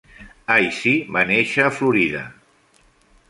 Icey va néixer a Florida.